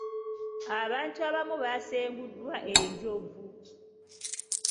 Abantu abamu basenguddwa enjovu.